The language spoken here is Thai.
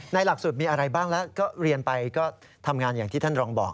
ในหลักสูตรมีอะไรบ้างเรียนไปก็ทำงานอย่างที่ท่านรองบอก